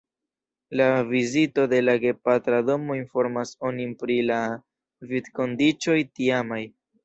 La vizito de la gepatra domo informas onin pri la vivkondiĉoj tiamaj.